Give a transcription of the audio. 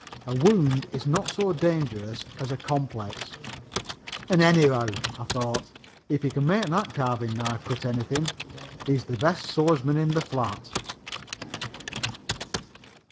A wound is not so dangerous as a complex. "And, anyhow," I thought, "if he can make that carving knife cut anything he's the best swordsman in the flat."